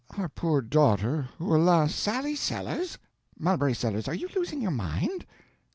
"Our poor daughter, who, alas!—" "Sally Sellers? Mulberry Sellers, are you losing your mind?"